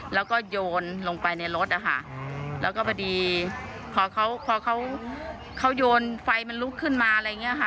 แล้วก็โยนลงไปในรถอะค่ะแล้วก็พอดีพอเขาพอเขาโยนไฟมันลุกขึ้นมาอะไรอย่างนี้ค่ะ